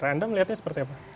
anda melihatnya seperti apa